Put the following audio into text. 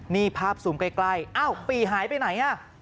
นี่ภาพซูมใกล้อ้าวปีหายไปไหนอ่ะ